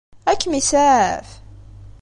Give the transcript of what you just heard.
Ad kem-isaɛef?